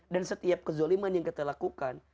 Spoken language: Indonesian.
dan setiap kezoliman yang kita lakukan